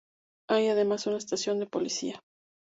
Hay además una estación de policía.